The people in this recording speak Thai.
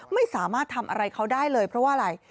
ไม่สามารถทำอะไรเขาได้เลยเพราะว่าอะไร